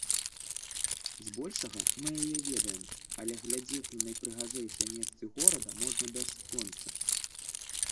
Збольшага, мы яе ведаем, але глядзець на найпрыгажэйшыя месцы горада можна бясконца.